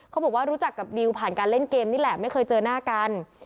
เขาบอกว่ารู้จักกับดิวผ่านการเล่นเกมนี่แหละไม่เคยเจอหน้ากัน